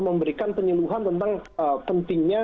memberikan penyeluhan tentang pentingnya